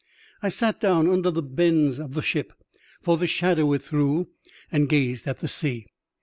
I sat down under the bends of the ship for the shadow it threw and gazed at the sea.